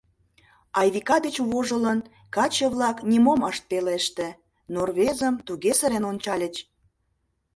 Айвика деч вожылын, каче-влак нимом ышт пелеште, но рвезым туге сырен ончальыч.